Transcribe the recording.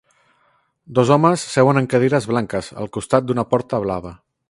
Dos homes seuen en cadires blanques al costat d'una porta blava.